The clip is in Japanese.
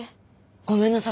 ごめんなさい